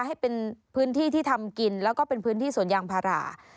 ให้เป็นพื้นที่ที่ทำกินแล้วก็เป็นพื้นที่สวนยางพารา